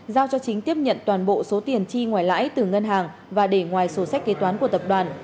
giao cho chính tiếp nhận toàn bộ số tiền chi ngoài lãi từ ngân hàng và để ngoài sổ sách kế toán của tập đoàn